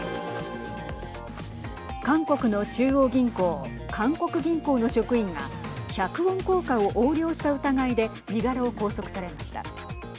韓国の中央銀行韓国銀行の職員が１００ウォン硬貨を横領した疑いで身柄を拘束されました。